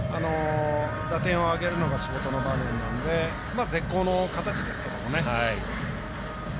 打点を挙げるのが仕事の場面ですので絶好の形ですかね。